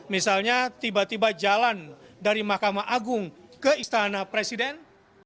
misalnya tiba tiba jalan dari mahkamah agung ke istana presiden